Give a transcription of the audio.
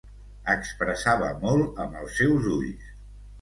Expressava molt amb els seus ulls.